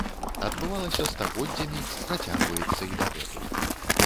Адбывалася стагоддзямі, працягваецца і дагэтуль.